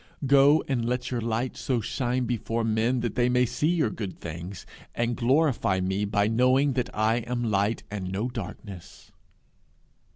Go, and let your light so shine before men that they may see your good things, and glorify me by knowing that I am light and no darkness'!